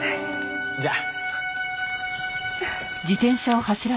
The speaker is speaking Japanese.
じゃあ。